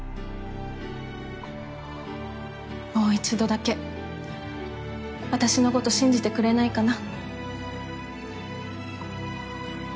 もう１度だけ私のこと信じてくれないかな？